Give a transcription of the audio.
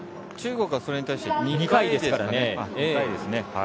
中国はそれに対して２回ですからね。